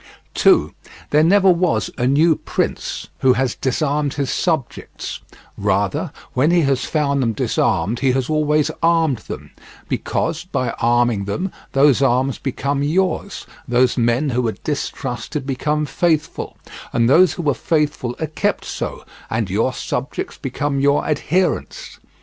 2. There never was a new prince who has disarmed his subjects; rather when he has found them disarmed he has always armed them, because, by arming them, those arms become yours, those men who were distrusted become faithful, and those who were faithful are kept so, and your subjects become your adherents.